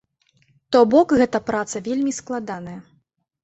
То бок гэта праца вельмі складаная.